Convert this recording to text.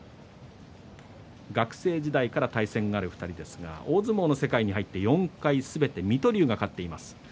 学生時代から対戦がある２人ですが大相撲の世界に入って４回すべて水戸龍が勝っています。